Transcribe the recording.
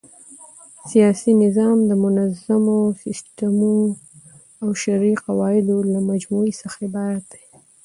سیاسي نظام د منظمو سيسټمو او شرعي قواعدو له مجموعې څخه عبارت دئ.